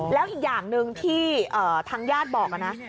แล้วอีกอย่างหนึ่งที่ทางญาติบอกนะ